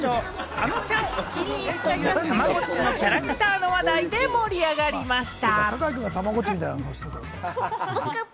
あのちゃんがお気に入りというたまごっちのキャラクターの話題で盛り上がりました。